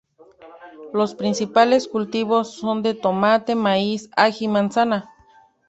Los principales cultivos son de tomate, maíz, ají y manzana.